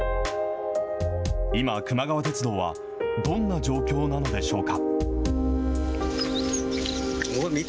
今、くま川鉄道は、どんな状況なのでしょうか。